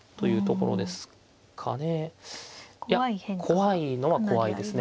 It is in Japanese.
怖いのは怖いですね